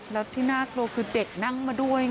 แล้วที่น่ากลัวคือเด็กนั่งมาด้วย